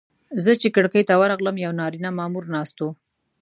زه چې کړکۍ ته ورغلم یو نارینه مامور ناست و.